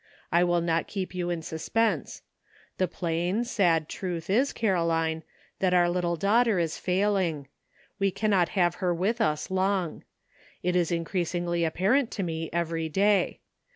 I will not keep you in suspense. The plain, sad truth is, Caroline, that our little daughter is failing. We cannot have her with us long. It is increasingly apparent to me every day.